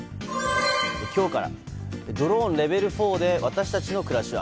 今日からドローンレベル４で私たちの暮らしは？